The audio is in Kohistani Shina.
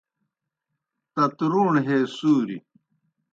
تترُوݨ ہے سُوریْ